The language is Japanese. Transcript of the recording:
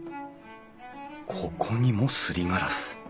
ここにもすりガラス。